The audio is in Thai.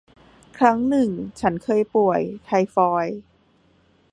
ครั้งหนึ่งฉันเคยป่วย ไทฟอยด์